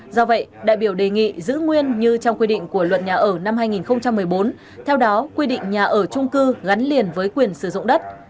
do vậy đại biểu đề nghị giữ nguyên như trong quy định của luật nhà ở năm hai nghìn một mươi bốn theo đó quy định nhà ở trung cư gắn liền với quyền sử dụng đất